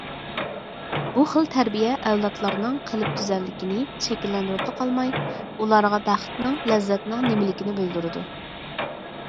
بۇ خىل تەربىيە ئەۋلادلارنىڭ قەلب گۈزەللىكىنى شەكىللەندۈرۈپلا قالماي، ئۇلارغا بەختنىڭ، لەززەتنىڭ نېمىلىكىنى بىلدۈرىدۇ.